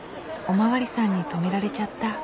お巡りさんに止められちゃった。